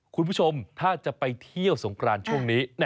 คุณผู้ชมถ้าจะไปเที่ยวสงกรานช่วงนี้